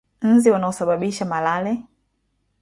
Nzi wanaosababisha malale